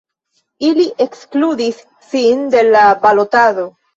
Ili ekskludis sin de la balotado.